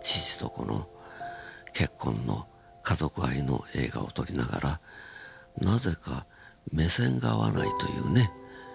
父と子の結婚の家族愛の映画を撮りながらなぜか目線が合わないというね。